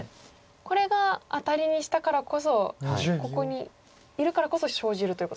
これがアタリにしたからこそここにいるからこそ生じるということですね。